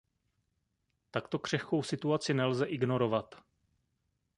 Takto křehkou situaci nelze ignorovat.